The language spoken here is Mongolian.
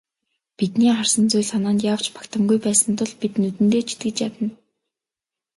Бидний харсан зүйл санаанд яавч багтамгүй байсан тул бид нүдэндээ ч итгэж ядна.